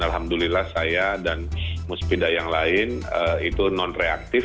dan alhamdulillah saya dan musbidah yang lain itu non reaktif